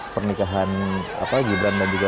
pernikahan gibran dan juga